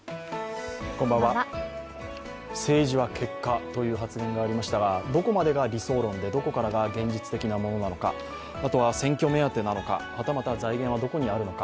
政治は結果という発言がありましたが、どこまでが理想論でどこからが現実的なものなのか、選挙目当てなのか、はたまた財源はどこにあるのか。